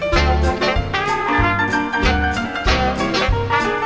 สวัสดีครับ